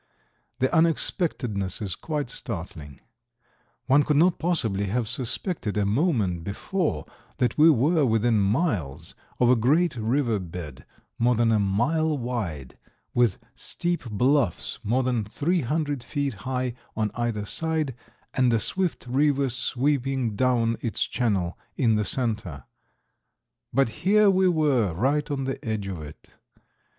The unexpectedness is quite startling. One could not possibly have suspected a moment before that we were within miles of a great river bed more than a mile wide, with steep bluffs more than 300 feet high on either side and a swift river sweeping down its channel in the center, but here we were right on the edge of it.